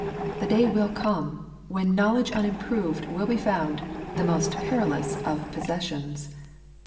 The day will come, when knowl edge unimproved will be found the most perilous of possessions.